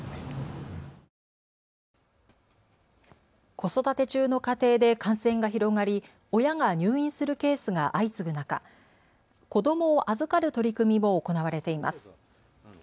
子育て中の家庭で感染が広がり、親が入院するケースが相次ぐ中、子どもを預かる取り組みも行われています。